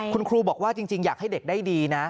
คุณครูบอกว่าจริงอยากให้เด็กได้ดีนะ